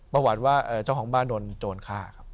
ประวัติว่าเจ้าของบ้านโดนฆ่าครับ